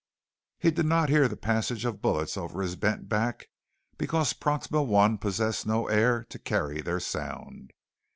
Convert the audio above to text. He did not hear the passage of bullets over his bent back because Proxima I possessed no air to carry their sound.